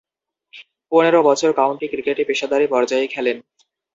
পনেরো বছর কাউন্টি ক্রিকেটে পেশাদারী পর্যায়ে খেলেন।